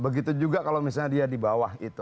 begitu juga kalau misalnya dia di bawah itu